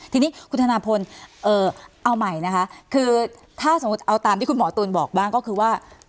ทีนี้คุณธนาพลเอาใหม่นะคะคือถ้าสมมุติเอาตามที่คุณหมอตูนบอกบ้างก็คือว่า